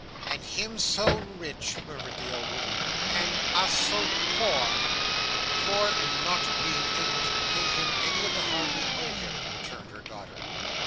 "And him so rich?" murmured the old woman. "And us so poor!" "Poor in not being able to pay him any of the harm we owe him," returned her daughter.